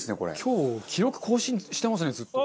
今日記録更新してますねずっと。